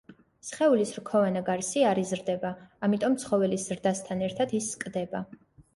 სხეულის რქოვანა გარსი არ იზრდება, ამიტომ ცხოველის ზრდასთან ერთად ის სკდება.